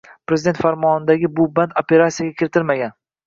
Prezident farmonidagi bu band operatsiyaga kiritilmagan